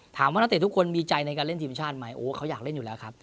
นักเตะทุกคนมีใจในการเล่นทีมชาติไหมโอ้เขาอยากเล่นอยู่แล้วครับ